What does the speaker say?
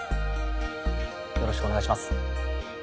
よろしくお願いします。